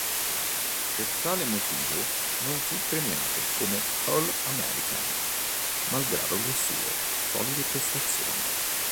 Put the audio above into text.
Per tale motivo non fu premiato come All-American malgrado le sue solide prestazioni.